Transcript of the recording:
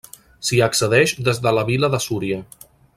S'hi accedeix des de la vila de Súria.